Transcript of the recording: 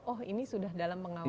oh ini sudah dalam pengawasan